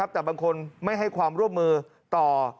แต่บางคนไม่ให้ความร่วมมือต่อ